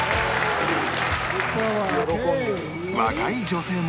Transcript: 若い女性も